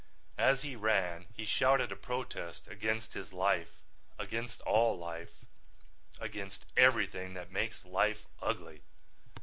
As he ran he shouted a protest against his life, against all life, against everything that makes life ugly.